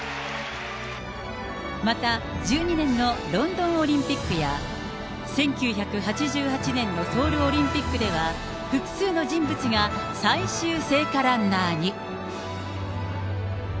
また、１２年のロンドンオリンピックや、１９８８年のソウルオリンピックでは、複数の人物が最終聖火ランナーに。